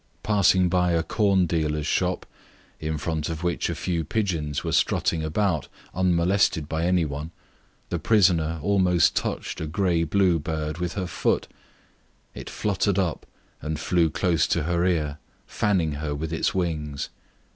Passing by a corn dealer's shop, in front of which a few pigeons were strutting about, unmolested by any one, the prisoner almost touched a grey blue bird with her foot; it fluttered up and flew close to her ear, fanning her with its wings.